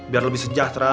biar lebih sejahtera